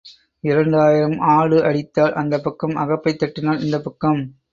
இரண்டு ஆயிரம் ஆடு அடித்தால் அந்தப் பக்கம் அகப்பை தட்டினால் இந்தப் பக்கம்.